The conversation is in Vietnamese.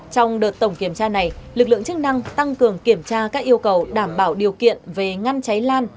trong đợt tổng kiểm tra này lực lượng chức năng tăng cường kiểm tra các yêu cầu đảm bảo điều kiện về ngăn cháy lan